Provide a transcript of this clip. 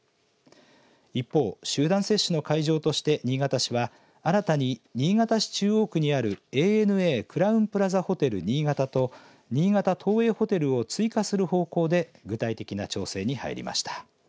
一方、集団接種の会場として新潟市は、新たに新潟市中央区にあるＡＮＡクラウンプラザホテル新潟と新潟東映ホテルを追加する方向で具体的な調整に入りました。